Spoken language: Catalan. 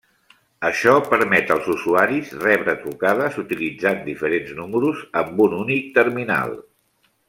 Això permet als usuaris rebre trucades utilitzant diferents números amb un únic terminal.